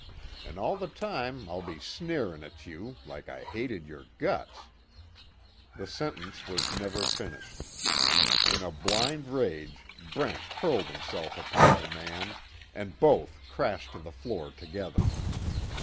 An' all the time I'll be sneerin' at you, like I hated yer guts " The sentence was never finished. In a blind rage Brent hurled himself upon the man, and both crashed to the floor together.